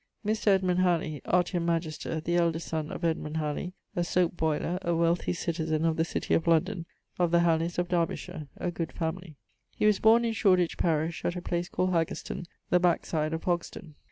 Mr. Edmund Halley, Artium Magister, the eldest son of Halley, a soape boyler, a wealthy citizen of the city of London; of the Halleys, of Derbyshire, a good family. He was born in Shoreditch parish, at a place called Haggerston, the backside of Hogsdon.